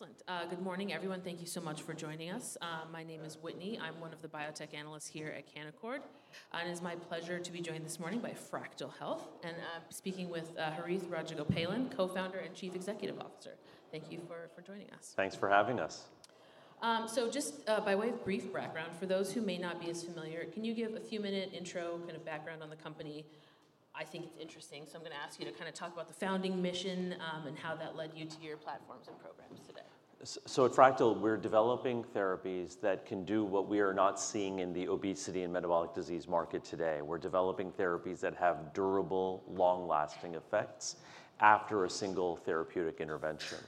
Excellent. Good morning, everyone. Thank you so much for joining us. My name is Whitney. I'm one of the biotech analysts here at Canaccord. It is my pleasure to be joined this morning by Fractyl Health, and I'm speaking with Harith Rajagopalan, Co-founder and Chief Executive Officer. Thank you for joining us. Thanks for having us. By way of brief background, for those who may not be as familiar, can you give a few-minute intro, kind of background on the company? I think it's interesting. I'm going to ask you to kind of talk about the founding mission and how that led you to your platforms and programs today. At Fractyl Health, we're developing therapies that can do what we are not seeing in the obesity and metabolic disease market today. We're developing therapies that have durable, long-lasting effects after a single therapeutic intervention.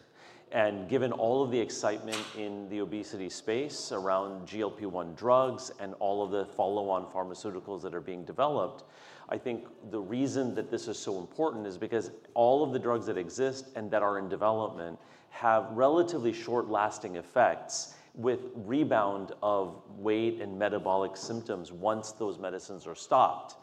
Given all of the excitement in the obesity space around GLP-1 drugs and all of the follow-on pharmaceuticals that are being developed, I think the reason that this is so important is because all of the drugs that exist and that are in development have relatively short-lasting effects with rebound of weight and metabolic symptoms once those medicines are stopped.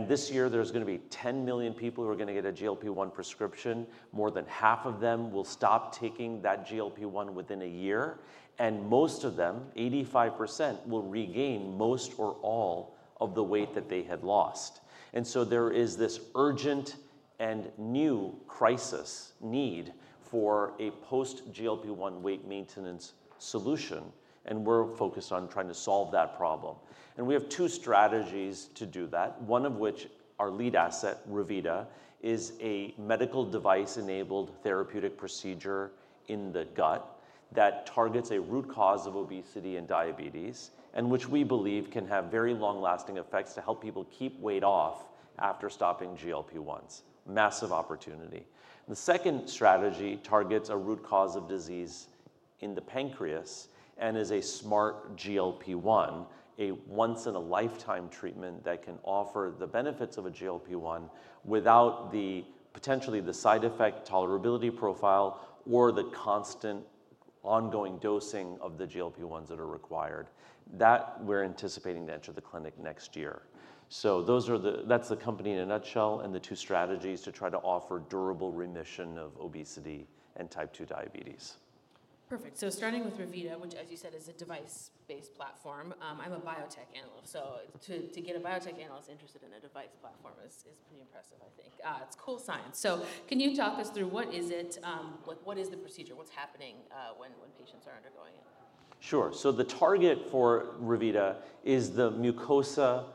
This year, there's going to be 10 million people who are going to get a GLP-1 prescription. More than half of them will stop taking that GLP-1 within a year, and most of them, 85%, will regain most or all of the weight that they had lost. There is this urgent and new crisis need for a post-GLP-1 weight maintenance solution, and we're focused on trying to solve that problem. We have two strategies to do that, one of which, our lead asset, Revita, is a medical device-enabled therapeutic procedure in the gut that targets a root cause of obesity and diabetes, and which we believe can have very long-lasting effects to help people keep weight off after stopping GLP-1s. Massive opportunity. The second strategy targets a root cause of disease in the pancreas and is a smart GLP-1, a once-in-a-lifetime treatment that can offer the benefits of a GLP-1 without potentially the side effect tolerability profile or the constant ongoing dosing of the GLP-1s that are required. That we're anticipating to enter the clinic next year. Those are the, that's the company in a nutshell and the two strategies to try to offer durable remission of obesity and type 2 diabetes. Perfect. Starting with Revita, which, as you said, is a device-based platform, I'm a biotech analyst. To get a biotech analyst interested in a device platform is pretty impressive, I think. It's cool science. Can you talk us through what is it, like what is the procedure, what's happening when patients are undergoing it? Sure. The target for Revita is the mucosa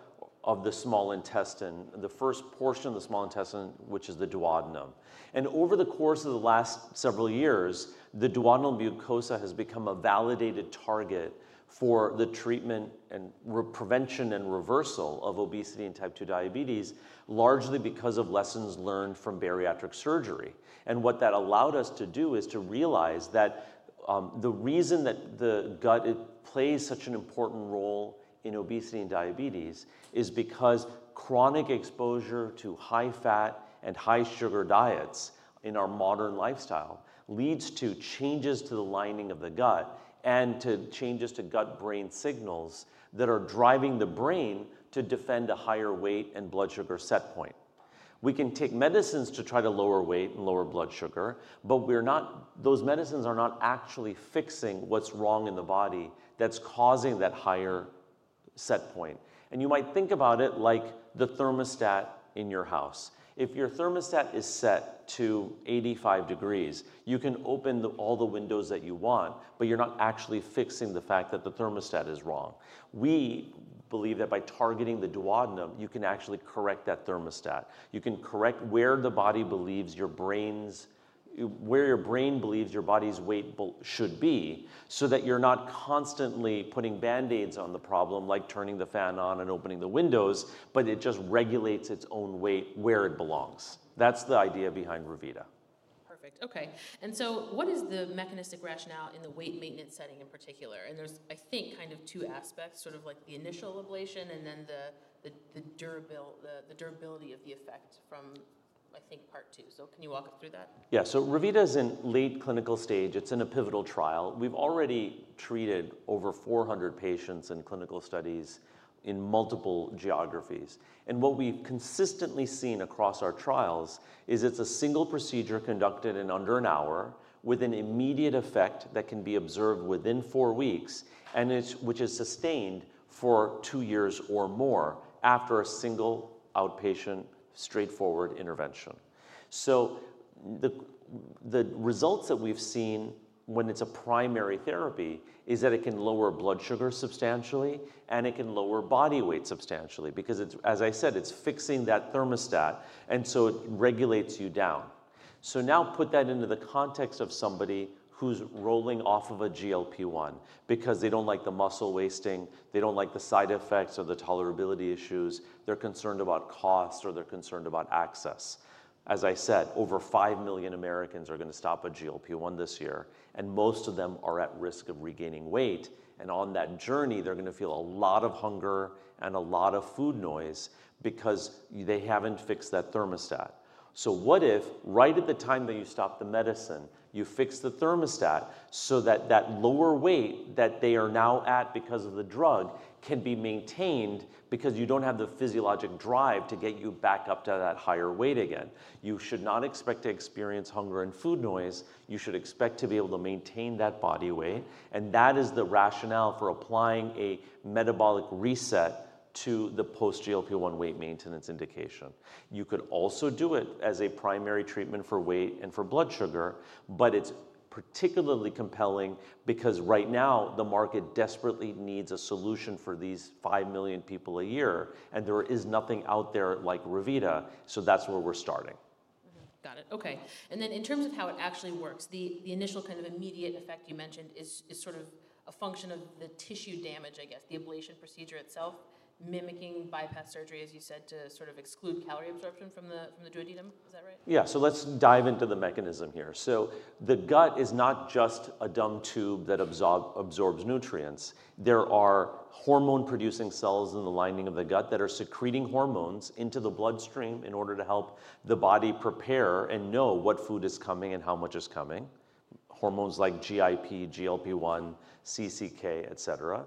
of the small intestine, the first portion of the small intestine, which is the duodenum. Over the course of the last several years, the duodenal mucosa has become a validated target for the treatment, prevention, and reversal of obesity and type 2 diabetes, largely because of lessons learned from bariatric surgery. What that allowed us to do is to realize that the reason the gut plays such an important role in obesity and diabetes is because chronic exposure to high-fat and high-sugar diets in our modern lifestyle leads to changes to the lining of the gut and to changes to gut-brain signals that are driving the brain to defend a higher weight and blood sugar set point. We can take medicines to try to lower weight and lower blood sugar, but those medicines are not actually fixing what's wrong in the body that's causing that higher set point. You might think about it like the thermostat in your house. If your thermostat is set to 85 degrees, you can open all the windows that you want, but you're not actually fixing the fact that the thermostat is wrong. We believe that by targeting the duodenum, you can actually correct that thermostat. You can correct where the body believes your brain's weight should be so that you're not constantly putting Band-Aids on the problem, like turning the fan on and opening the windows, but it just regulates its own weight where it belongs. That's the idea behind Revita. Perfect. OK. What is the mechanistic rationale in the weight maintenance setting in particular? There's, I think, kind of two aspects, sort of like the initial ablation and then the durability of the effect from, I think, part two. Can you walk us through that? Yeah. Revita is in late clinical stage. It's in a pivotal trial. We've already treated over 400 patients in clinical studies in multiple geographies. What we've consistently seen across our trials is it's a single procedure conducted in under an hour with an immediate effect that can be observed within four weeks, which is sustained for two years or more after a single outpatient straightforward intervention. The results that we've seen when it's a primary therapy are that it can lower blood sugar substantially, and it can lower body weight substantially because, as I said, it's fixing that thermostat, and it regulates you down. Now put that into the context of somebody who's rolling off of a GLP-1 because they don't like the muscle wasting, they don't like the side effects or the tolerability issues, they're concerned about cost, or they're concerned about access. As I said, over 5 million Americans are going to stop a GLP-1 this year, and most of them are at risk of regaining weight. On that journey, they're going to feel a lot of hunger and a lot of food noise because they haven't fixed that thermostat. What if right at the time that you stop the medicine, you fix the thermostat so that the lower weight that they are now at because of the drug can be maintained because you don't have the physiologic drive to get you back up to that higher weight again? You should not expect to experience hunger and food noise. You should expect to be able to maintain that body weight. That is the rationale for applying a metabolic reset to the post-GLP-1 weight maintenance indication. You could also do it as a primary treatment for weight and for blood sugar, but it's particularly compelling because right now the market desperately needs a solution for these 5 million people a year, and there is nothing out there like Revita. That's where we're starting. Got it. OK. In terms of how it actually works, the initial kind of immediate effect you mentioned is sort of a function of the tissue damage, I guess, the ablation procedure itself, mimicking bypass surgery, as you said, to sort of exclude calorie absorption from the duodenum. Is that right? Yeah. Let's dive into the mechanism here. The gut is not just a dumb tube that absorbs nutrients. There are hormone-producing cells in the lining of the gut that are secreting hormones into the bloodstream in order to help the body prepare and know what food is coming and how much is coming, hormones like GIP, GLP-1, CCK, etc. There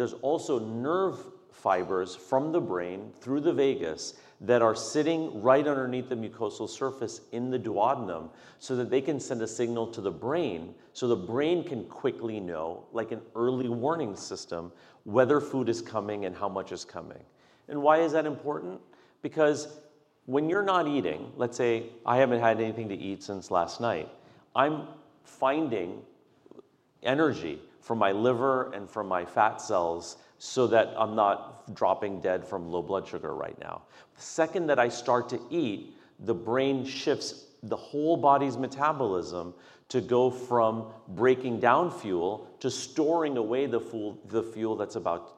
are also nerve fibers from the brain through the vagus that are sitting right underneath the mucosal surface in the duodenum so that they can send a signal to the brain so the brain can quickly know, like an early warning system, whether food is coming and how much is coming. Why is that important? When you're not eating, let's say I haven't had anything to eat since last night, I'm finding energy for my liver and for my fat cells so that I'm not dropping dead from low blood sugar right now. The second that I start to eat, the brain shifts the whole body's metabolism to go from breaking down fuel to storing away the fuel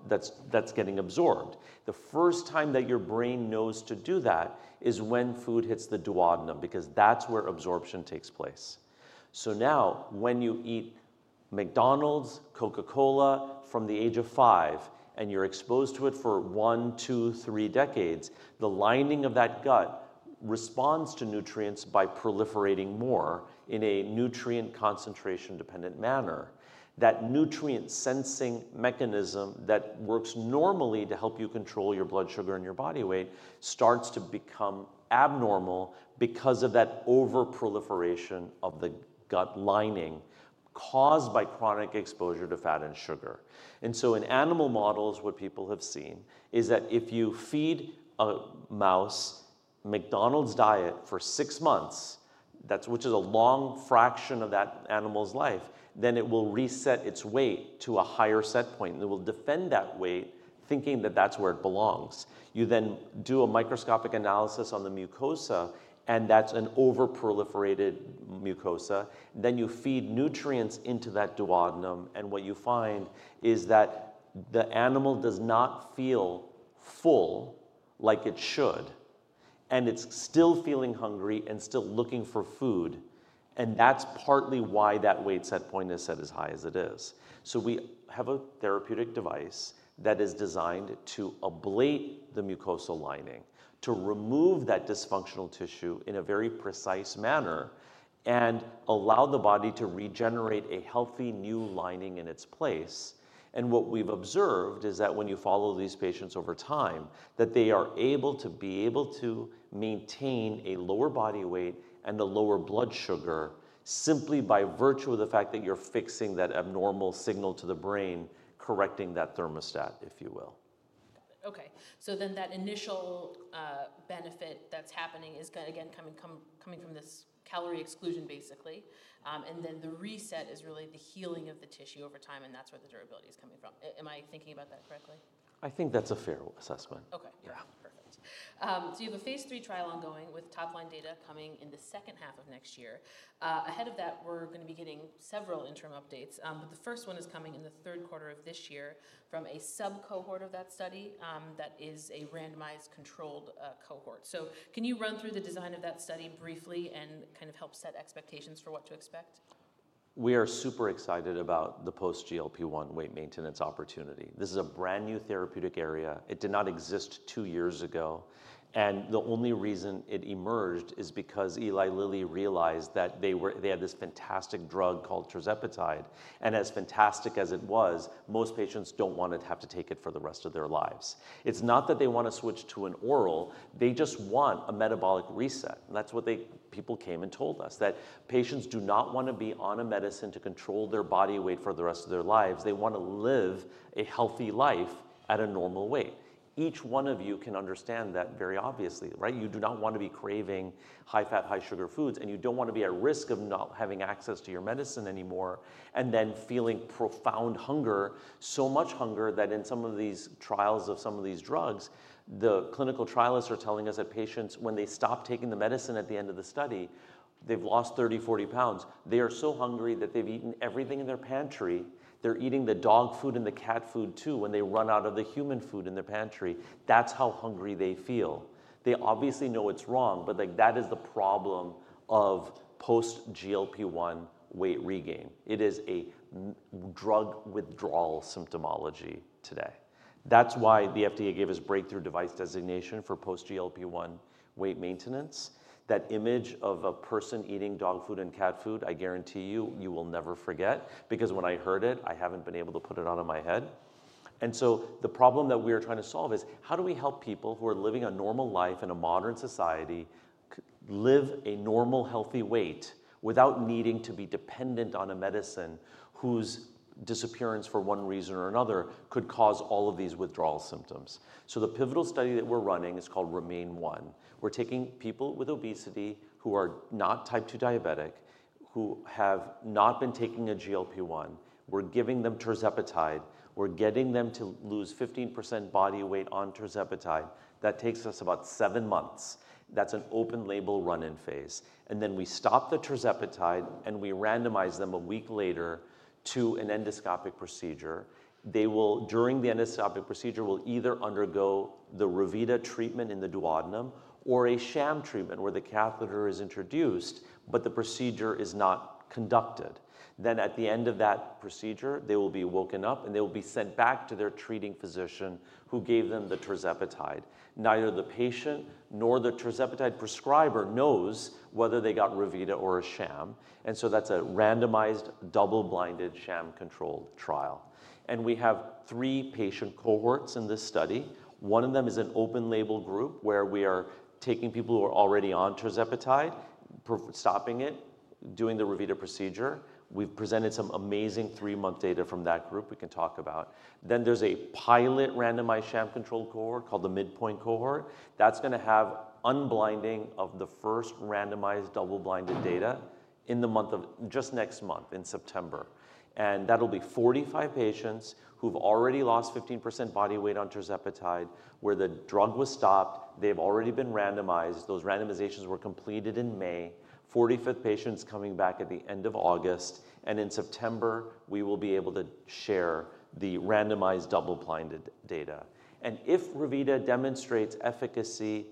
that's getting absorbed. The first time that your brain knows to do that is when food hits the duodenum because that's where absorption takes place. Now, when you eat McDonald's, Coca-Cola from the age of five, and you're exposed to it for one, two, three decades, the lining of that gut responds to nutrients by proliferating more in a nutrient concentration-dependent manner. That nutrient-sensing mechanism that works normally to help you control your blood sugar and your body weight starts to become abnormal because of that over-proliferation of the gut lining caused by chronic exposure to fat and sugar. In animal models, what people have seen is that if you feed a mouse McDonald's diet for six months, which is a long fraction of that animal's life, then it will reset its weight to a higher set point, and it will defend that weight thinking that that's where it belongs. You then do a microscopic analysis on the mucosa, and that's an over-proliferated mucosa. You feed nutrients into that duodenum, and what you find is that the animal does not feel full like it should, and it's still feeling hungry and still looking for food. That's partly why that weight set point is set as high as it is. We have a therapeutic device that is designed to ablate the mucosal lining, to remove that dysfunctional tissue in a very precise manner and allow the body to regenerate a healthy new lining in its place. What we've observed is that when you follow these patients over time, they are able to maintain a lower body weight and a lower blood sugar simply by virtue of the fact that you're fixing that abnormal signal to the brain, correcting that thermostat, if you will. OK. That initial benefit that's happening is, again, coming from this calorie exclusion, basically. The reset is really the healing of the tissue over time, and that's where the durability is coming from. Am I thinking about that correctly? I think that's a fair assessment. OK. Yeah, perfect. You have a phase III trial ongoing with top-line data coming in the second half of next year. Ahead of that, we're going to be getting several interim updates, but the first one is coming in the third quarter of this year from a sub-cohort of that study that is a randomized controlled cohort. Can you run through the design of that study briefly and kind of help set expectations for what to expect? We are super excited about the post-GLP-1 weight maintenance opportunity. This is a brand new therapeutic area. It did not exist two years ago. The only reason it emerged is because Eli Lilly realized that they had this fantastic drug called tirzepatide. As fantastic as it was, most patients don't want to have to take it for the rest of their lives. It's not that they want to switch to an oral. They just want a metabolic reset. That's what people came and told us, that patients do not want to be on a medicine to control their body weight for the rest of their lives. They want to live a healthy life at a normal weight. Each one of you can understand that very obviously, right? You do not want to be craving high-fat, high-sugar foods, and you don't want to be at risk of not having access to your medicine anymore and then feeling profound hunger, so much hunger that in some of these trials of some of these drugs, the clinical trialists are telling us that patients, when they stop taking the medicine at the end of the study, they've lost 30, 40 lbs. They are so hungry that they've eaten everything in their pantry. They're eating the dog food and the cat food too when they run out of the human food in their pantry. That's how hungry they feel. They obviously know it's wrong, but that is the problem of post-GLP-1 weight regain. It is a drug withdrawal symptomology today. That's why the FDA gave us breakthrough device designation for post-GLP-1 weight maintenance. That image of a person eating dog food and cat food, I guarantee you, you will never forget because when I heard it, I haven't been able to put it out of my head. The problem that we are trying to solve is how do we help people who are living a normal life in a modern society live a normal, healthy weight without needing to be dependent on a medicine whose disappearance for one reason or another could cause all of these withdrawal symptoms. The pivotal study that we're running is called REMAIN-1. We're taking people with obesity who are not type 2 diabetic, who have not been taking a GLP-1. We're giving them tirzepatide. We're getting them to lose 15% body weight on tirzepatide. That takes us about seven months. That's an open-label run-in phase. We stop the tirzepatide, and we randomize them a week later to an endoscopic procedure. During the endoscopic procedure, they will either undergo the Revita treatment in the duodenum or a sham treatment where the catheter is introduced, but the procedure is not conducted. At the end of that procedure, they will be woken up, and they will be sent back to their treating physician who gave them the tirzepatide. Neither the patient nor the tirzepatide prescriber knows whether they got Revita or a sham. That is a randomized double-blind sham-controlled trial. We have three patient cohorts in this study. One of them is an open-label group where we are taking people who are already on tirzepatide, stopping it, doing the Revita procedure. We've presented some amazing three-month data from that group we can talk about. There is a pilot randomized sham-controlled cohort called the midpoint cohort. That is going to have unblinding of the first randomized double-blind data in the month of just next month, in September. That will be 45 patients who've already lost 15% body weight on tirzepatide where the drug was stopped. They've already been randomized. Those randomizations were completed in May. 45 patients coming back at the end of August. In September, we will be able to share the randomized double-blind data. If Revita demonstrates efficacy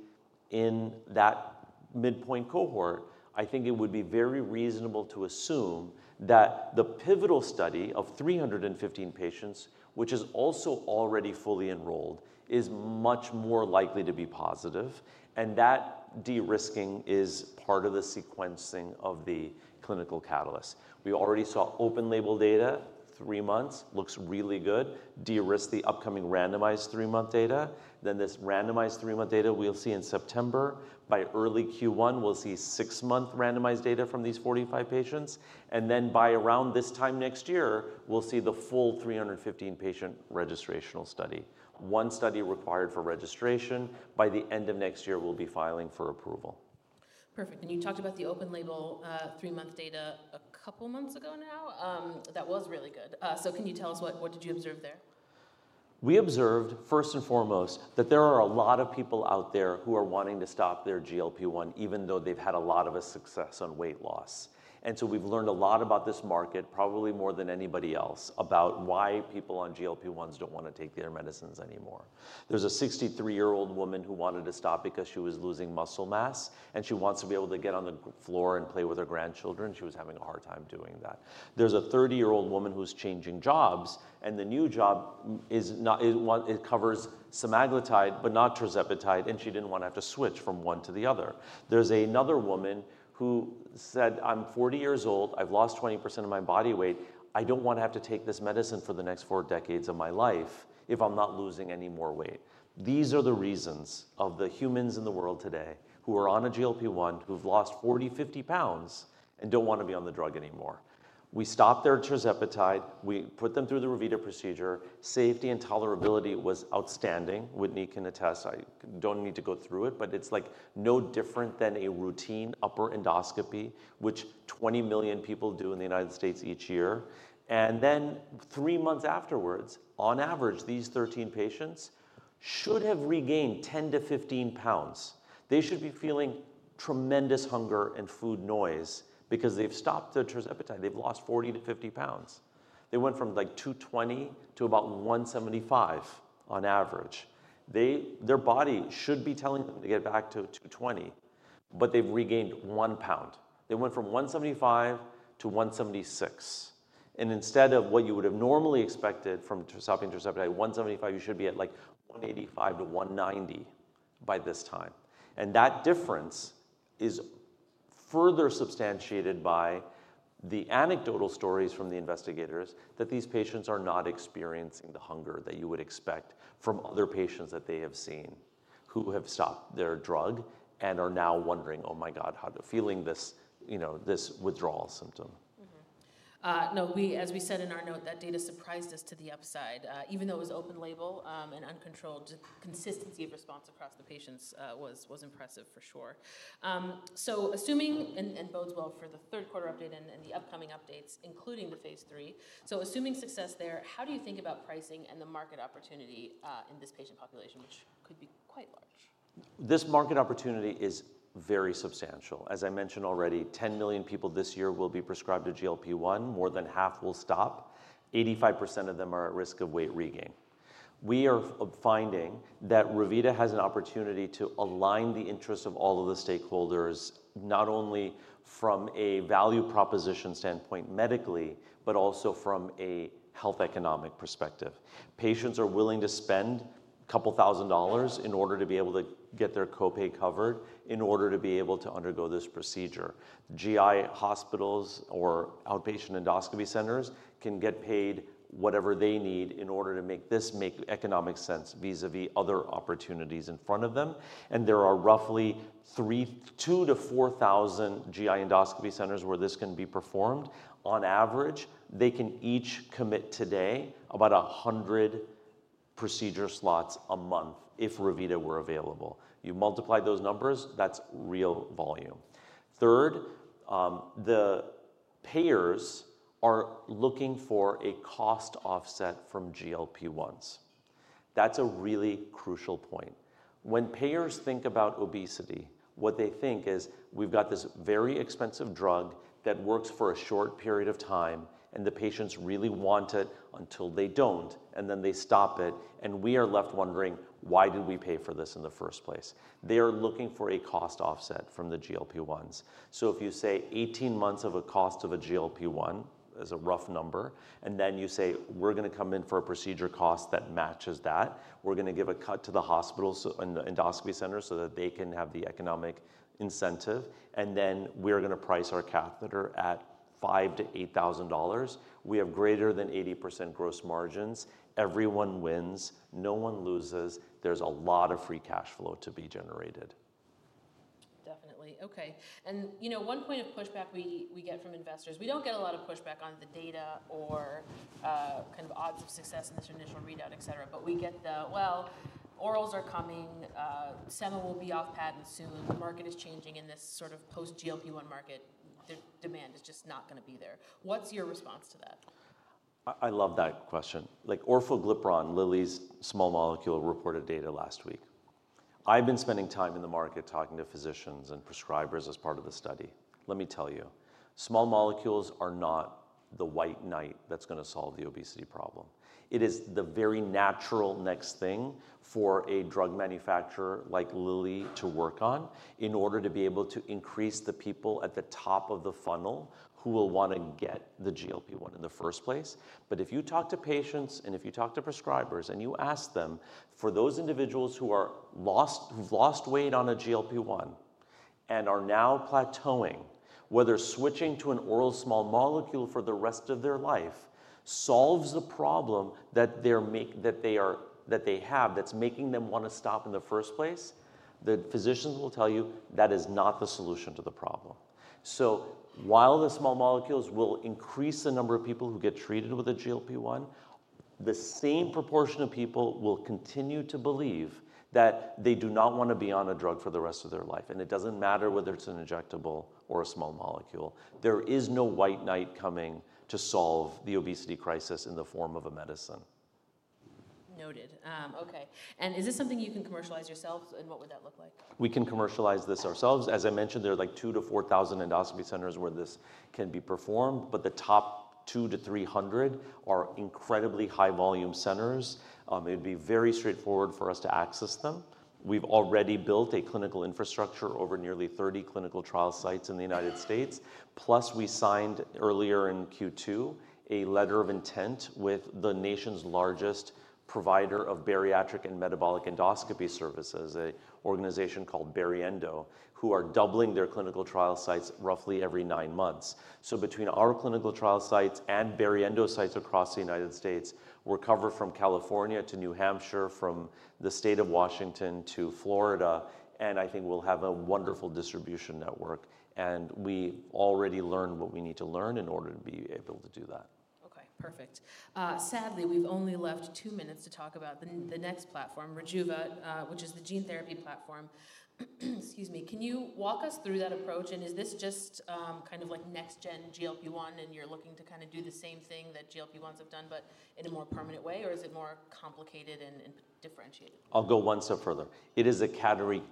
in that midpoint cohort, I think it would be very reasonable to assume that the pivotal study of 315 patients, which is also already fully enrolled, is much more likely to be positive. That de-risking is part of the sequencing of the clinical catalyst. We already saw open-label data, three months, looks really good. De-risk the upcoming randomized three-month data. This randomized three-month data we'll see in September. By early Q1, we'll see six-month randomized data from these 45 patients. By around this time next year, we'll see the full 315-patient registrational study. One study required for registration. By the end of next year, we'll be filing for approval. Perfect. You talked about the open-label three-month data a couple of months ago now. That was really good. Can you tell us what did you observe there? We observed, first and foremost, that there are a lot of people out there who are wanting to stop their GLP-1, even though they've had a lot of success on weight loss. We've learned a lot about this market, probably more than anybody else, about why people on GLP-1s don't want to take their medicines anymore. There's a 63-year-old woman who wanted to stop because she was losing muscle mass, and she wants to be able to get on the floor and play with her grandchildren. She was having a hard time doing that. There's a 30-year-old woman who's changing jobs, and the new job covers semaglutide, but not tirzepatide, and she didn't want to have to switch from one to the other. There's another woman who said, "I'm 40 years old. I've lost 20% of my body weight. I don't want to have to take this medicine for the next four decades of my life if I'm not losing any more weight." These are the reasons of the humans in the world today who are on a GLP-1, who've lost 40, 50 lbs, and don't want to be on the drug anymore. We stopped their tirzepatide. We put them through the Revita procedure. Safety and tolerability was outstanding. Whitney can attest. I don't need to go through it, but it's like no different than a routine upper endoscopy, which 20 million people do in the United States each year. Three months afterwards, on average, these 13 patients should have regained 10-15 lbs. They should be feeling tremendous hunger and food noise because they've stopped the tirzepatide. They've lost 40-50 lbs. They went from like 220 lbs to about 175 lbs on average. Their body should be telling them to get back to 220 lbs, but they've regained 1 lb. They went from 175 lbs to 176 lbs. Instead of what you would have normally expected from stopping tirzepatide, 175 lbs, you should be at like 185-190 lbs by this time. That difference is further substantiated by the anecdotal stories from the investigators that these patients are not experiencing the hunger that you would expect from other patients that they have seen who have stopped their drug and are now wondering, "Oh my God, how to feel this withdrawal symptom? No. As we said in our note, that data surprised us to the upside, even though it was open-label and uncontrolled. The consistency of response across the patients was impressive for sure. It bodes well for the third quarter update and the upcoming updates, including the phase III. Assuming success there, how do you think about pricing and the market opportunity in this patient population, which could be quite large? This market opportunity is very substantial. As I mentioned already, 10 million people this year will be prescribed a GLP-1. More than half will stop. 85% of them are at risk of weight regain. We are finding that Revita has an opportunity to align the interests of all of the stakeholders, not only from a value proposition standpoint medically, but also from a health economic perspective. Patients are willing to spend a couple of thousand dollars in order to be able to get their copay covered in order to be able to undergo this procedure. GI hospitals or outpatient endoscopy centers can get paid whatever they need in order to make this make economic sense vis-à-vis other opportunities in front of them. There are roughly 2,000-4,000 GI endoscopy centers where this can be performed. On average, they can each commit today about 100 procedure slots a month if Revita were available. You multiply those numbers, that's real volume. Third, the payers are looking for a cost offset from GLP-1s. That's a really crucial point. When payers think about obesity, what they think is we've got this very expensive drug that works for a short period of time, and the patients really want it until they don't, and then they stop it. We are left wondering, why did we pay for this in the first place? They are looking for a cost offset from the GLP-1s. If you say 18 months of a cost of a GLP-1, that's a rough number, and then you say we're going to come in for a procedure cost that matches that, we're going to give a cut to the hospital and the endoscopy center so that they can have the economic incentive, and then we are going to price our catheter at $5,000-$8,000. We have greater than 80% gross margins. Everyone wins. No one loses. There's a lot of free cash flow to be generated. Definitely. OK. You know, one point of pushback we get from investors, we don't get a lot of pushback on the data or kind of odds of success in this initial readout, et cetera, but we get the, orals are coming, sema will be off patent soon, the market is changing, and this sort of post-GLP-1 market demand is just not going to be there. What's your response to that? I love that question. Like orforglipron, Lilly's small molecule reported data last week. I've been spending time in the market talking to physicians and prescribers as part of the study. Let me tell you, small molecules are not the white knight that's going to solve the obesity problem. It is the very natural next thing for a drug manufacturer like Lilly to work on in order to be able to increase the people at the top of the funnel who will want to get the GLP-1 in the first place. If you talk to patients and if you talk to prescribers and you ask them for those individuals who've lost weight on a GLP-1 and are now plateauing, whether switching to an oral small molecule for the rest of their life solves the problem that they have that's making them want to stop in the first place, the physicians will tell you that is not the solution to the problem. While the small molecules will increase the number of people who get treated with a GLP-1, the same proportion of people will continue to believe that they do not want to be on a drug for the rest of their life. It doesn't matter whether it's an injectable or a small molecule. There is no white knight coming to solve the obesity crisis in the form of a medicine. OK. Is this something you can commercialize yourselves? What would that look like? We can commercialize this ourselves. As I mentioned, there are like 2,000-4,000 endoscopy centers where this can be performed, but the top 200-300 are incredibly high-volume centers. It would be very straightforward for us to access them. We've already built a clinical infrastructure over nearly 30 clinical trial sites in the United States. Plus, we signed earlier in Q2 a letter of intent with the nation's largest provider of bariatric and metabolic endoscopy services, an organization called Bariendo, who are doubling their clinical trial sites roughly every nine months. Between our clinical trial sites and Bariendo sites across the United States, we're covered from California to New Hampshire, from the state of Washington to Florida. I think we'll have a wonderful distribution network. We already learned what we need to learn in order to be able to do that. OK. Perfect. Sadly, we've only left two minutes to talk about the next platform, Rejuva, which is the gene therapy platform. Excuse me. Can you walk us through that approach? Is this just kind of like next-gen GLP-1, and you're looking to kind of do the same thing that GLP-1s have done, but in a more permanent way? Is it more complicated and differentiated? I'll go one step further. It is a category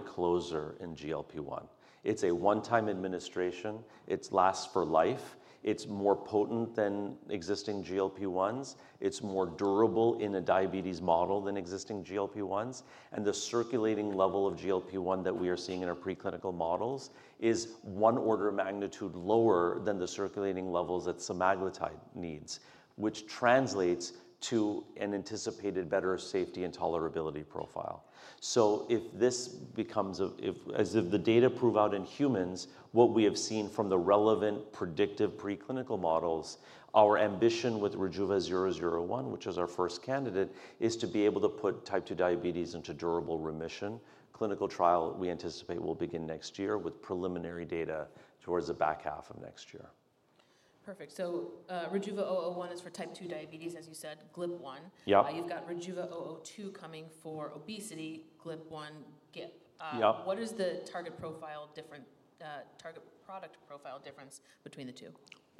closer in GLP-1. It's a one-time administration. It lasts for life. It's more potent than existing GLP-1s. It's more durable in a diabetes model than existing GLP-1s. The circulating level of GLP-1 that we are seeing in our preclinical models is one order of magnitude lower than the circulating levels that semaglutide needs, which translates to an anticipated better safety and tolerability profile. If the data prove out in humans, what we have seen from the relevant predictive preclinical models, our ambition with RJVA-001, which is our first candidate, is to be able to put type 2 diabetes into durable remission. Clinical trial we anticipate will begin next year with preliminary data towards the back half of next year. Perfect. RJVA-001 is for type 2 diabetes, as you said, GIP/GLP-1. Yeah. You've got RJVA-002 coming for obesity, GLP-1. Yeah. What is the target profile difference, target product profile difference between the two?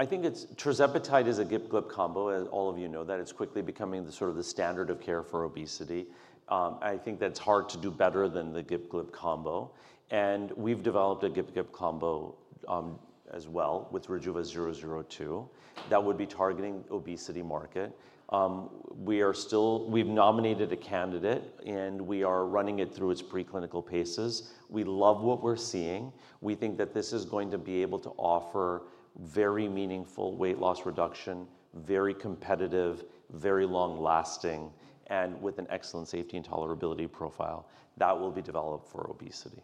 I think tirzepatide is a GIP/GLP combo. All of you know that. It's quickly becoming the sort of the standard of care for obesity. I think that it's hard to do better than the GIP/GLP combo. We've developed a GIP/GLP combo as well with RJVA-002 that would be targeting the obesity market. We've nominated a candidate, and we are running it through its preclinical paces. We love what we're seeing. We think that this is going to be able to offer very meaningful weight loss reduction, very competitive, very long-lasting, and with an excellent safety and tolerability profile that will be developed for obesity.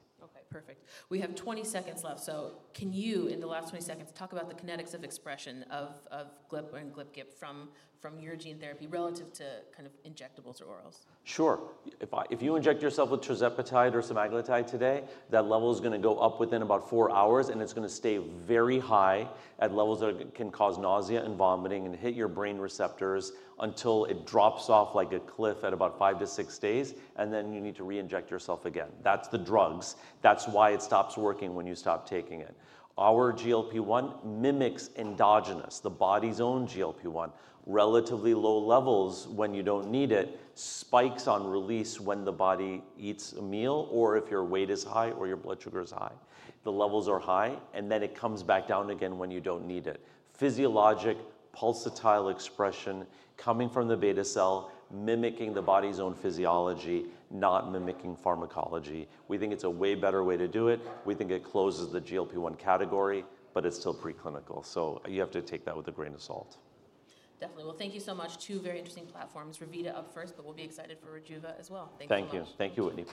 OK. Perfect. We have 20 seconds left. Can you, in the last 20 seconds, talk about the kinetics of expression of GLP and GIP/GLP from your gene therapy relative to kind of injectables or orals? Sure. If you inject yourself with tirzepatide or semaglutide today, that level is going to go up within about four hours, and it's going to stay very high at levels that can cause nausea and vomiting and hit your brain receptors until it drops off like a cliff at about five to six days, and then you need to reinject yourself again. That's the drugs. That's why it stops working when you stop taking it. Our GLP-1 mimics endogenous, the body's own GLP-1. Relatively low levels when you don't need it, spikes on release when the body eats a meal or if your weight is high or your blood sugar is high. The levels are high, and then it comes back down again when you don't need it. Physiologic, pulsatile expression coming from the beta cell, mimicking the body's own physiology, not mimicking pharmacology. We think it's a way better way to do it. We think it closes the GLP-1 category, but it's still preclinical. You have to take that with a grain of salt. Definitely. Thank you so much. Two very interesting platforms, Revita up first, but we'll be excited for Rejuva as well. Thank you. Thank you, Whitney.